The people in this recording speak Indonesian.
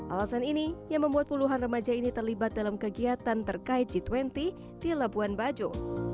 alasan ini yang membuat puluhan remaja ini terlibat dalam kegiatan terkait g dua puluh di labuan bajo